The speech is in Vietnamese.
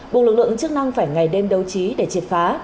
buộc lực lượng chức năng phải ngày đêm đấu trí để triệt phá